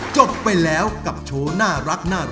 จบไปแล้วกับโชว์น่ารักน่า